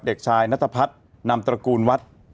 เด็กชายนัตรภัทรนำตระกูลวัด